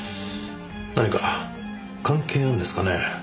何か関係あるんですかね？